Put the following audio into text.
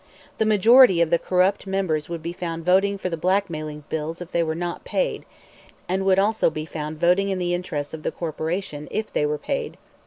The majority of the corrupt members would be found voting for the blackmailing bills if they were not paid, and would also be found voting in the interests of the corporation if they were paid.